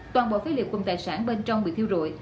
toàn bộ phế liệu cùng tài sản bên trong bị thiêu rụi